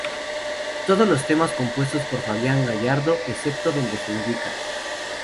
Todos los temas compuestos por Fabián Gallardo excepto donde se indica.